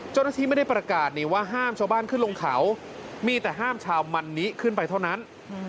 เจ้าหน้าที่ไม่ได้ประกาศนี่ว่าห้ามชาวบ้านขึ้นลงเขามีแต่ห้ามชาวมันนี้ขึ้นไปเท่านั้น